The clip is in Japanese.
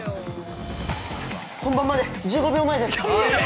◆本番まで１５秒前です！！